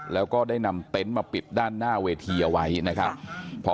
แล้วก็ได้นำเต็นต์มาปิดด้านหน้าเวทีเอาไว้นะครับ